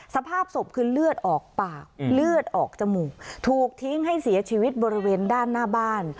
สภาพศพคือเลือดออกปากเลือดออกจมูกถูกทิ้งให้เสียชีวิตบริเวณด้านหน้าบ้าน